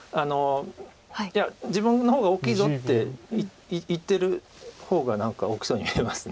いや自分の方が大きいぞって言ってる方が何か大きそうに見えます。